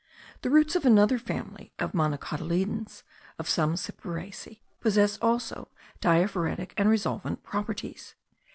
The roots of another family of monocotyledons (of some cyperaceae) possess also diaphoretic and resolvent properties.